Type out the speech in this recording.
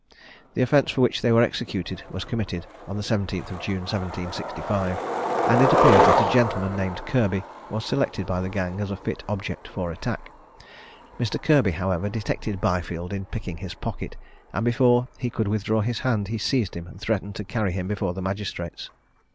The offence for which they were executed, was committed on the 17th June, 1765; and it appears that a gentleman named Kirby was selected by the gang as a fit object for attack. Mr. Kirby, however, detected Byfield in picking his pocket, and before he could withdraw his hand, he seized him and threatened to carry him before the magistrates.